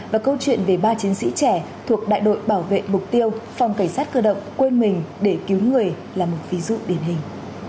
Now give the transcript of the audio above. và câu chuyện về ba chiến sĩ trẻ thuộc đại đội bảo vệ mục tiêu phòng cảnh sát cơ động quên mình để cứu người là một ví dụ điển hình